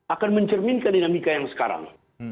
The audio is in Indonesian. akan mencerminkan dinamika yang sekarang